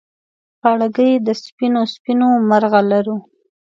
غاړګۍ د سپینو، سپینو مرغلرو